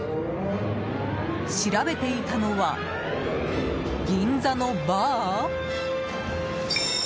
調べていたのは、銀座のバー？